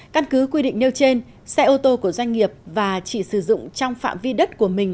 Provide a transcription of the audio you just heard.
căn cứ quy định nêu trên xe ô tô của doanh nghiệp và chỉ sử dụng trong phạm vi đất của mình